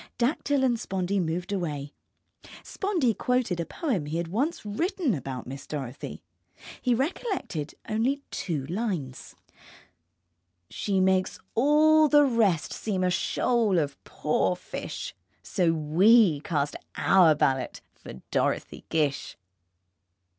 Dactyl and Spondee moved away. Spondee quoted a poem he had once written about Miss Dorothy. He recollected only two lines: She makes all the rest seem a shoal of poor fish So we cast our ballot for Dorothy Gish.